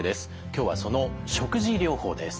今日はその食事療法です。